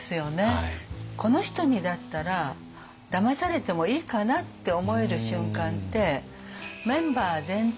この人にだったらだまされてもいいかなって思える瞬間ってメンバー全体